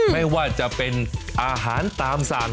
ไม่ว่าจะเป็นอาหารตามสั่ง